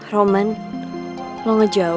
roman lo ngejauh ya dari gue